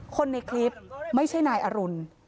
คนในคลิปไม่ใช่นายอรุณ